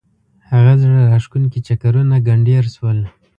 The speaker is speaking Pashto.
هغه زړه راکښونکي چکرونه ګنډېر شول.